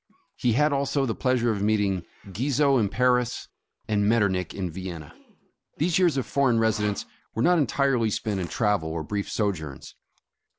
He had also the pleasure of meeting Guizot in Paris, and Metternich in Vienna. 260 The Astorhaus These years of foreign residence were not entirely spent in travel or brief sojourns.